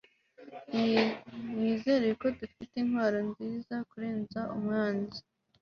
nizere ko dufite intwaro nziza kurenza umwanzi